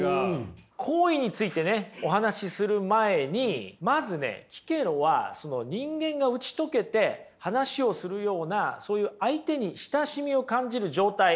好意についてねお話しする前にまずねキケロはその人間が打ち解けて話をするようなそういう相手に親しみを感じる状態